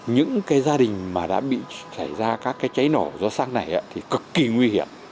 những cái gia đình mà đã bị xảy ra các cái cháy nổ do xăng này thì cực kỳ nguy hiểm